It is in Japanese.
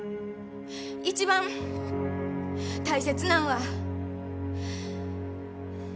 一番大切なんは。